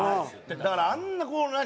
だからあんなこう何？